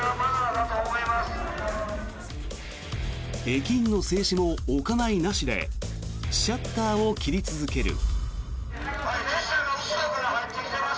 駅員の制止もお構いなしでシャッターを切り続ける。